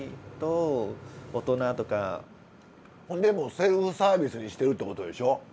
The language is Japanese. セルフサービスにしてるってことでしょ？